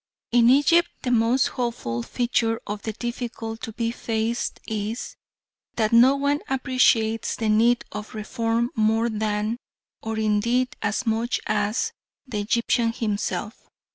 In Egypt the most hopeful feature of the difficulty to be faced is, that no one appreciates the need of reform more than, or indeed as much as, the Egyptian himself.